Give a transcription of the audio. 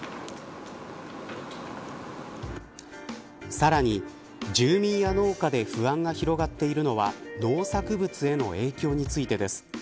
さらに住民や農家で不安が広がっているのは農作物への影響についてです。